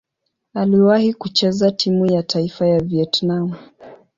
Aliwahi kucheza timu ya taifa ya Vietnam.